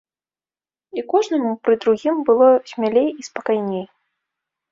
І кожнаму пры другім было смялей і спакайней.